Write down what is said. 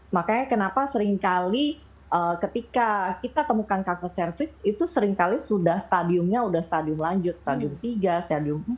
makanya kenapa seringkali ketika kita temukan kanker cervix itu seringkali sudah stadiumnya sudah stadium lanjut stadium tiga stadium empat